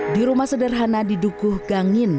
di rumah sederhana di dukuh gangin